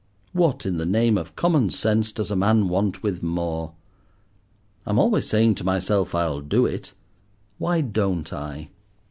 What, in the name of common sense, does a man want with more? I am always saying to myself, I'll do it; why don't I?